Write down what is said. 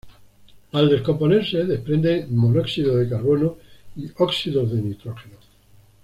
Al descomponerse desprende monóxido de carbono y óxidos de nitrógeno.